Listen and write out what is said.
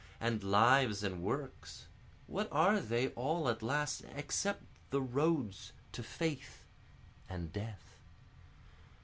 And lives and works, what are they all at last, except the roads to faith and death?)